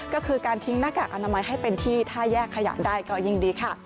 ก็คือการทิ้งหน้ากากอนามัยให้เป็นที่ถ้าแยกขยะได้ก็ยิ่งดีค่ะ